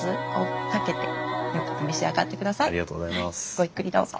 ごゆっくりどうぞ。